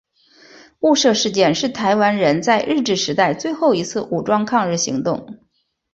雾社事件是台湾人在日治时代最后一次武装抗日行动。